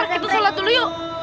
kita shalat dulu yuk